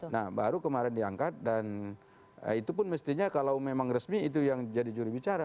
nah baru kemarin diangkat dan itu pun mestinya kalau memang resmi itu yang jadi juri bicara